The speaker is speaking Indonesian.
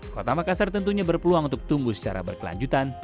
kota makassar tentunya berpeluang untuk tumbuh secara berkelanjutan